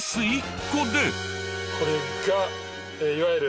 これがいわゆる。